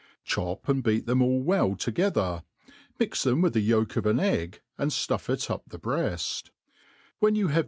Chop and beat them all well to gether, mix them with the yolk of an egg, and flufF up the breaft j when you have